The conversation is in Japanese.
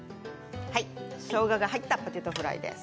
しょうがが入ったポテトフライです。